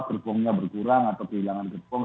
trikongnya berkurang atau kehilangan trikong